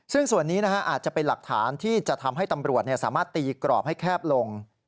ซึ่งส่วนนี้อาจจะเป็นหลักฐานที่จะทำให้ตำรวจสามารถตีกรอบให้แคบลง